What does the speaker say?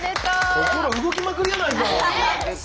心動きまくりやないか。